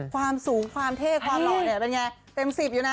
ความสูงความเท่ความหล่อเนี่ยเป็นไงเต็ม๑๐อยู่นะ